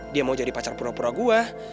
dia mau jadi pacar pura pura gua